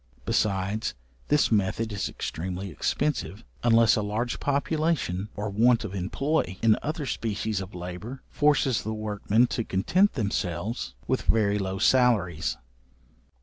Besides, this method is extremely expensive, unless a large population, or want of employ in other species of labour, forces the workmen to content themselves with very low salaries.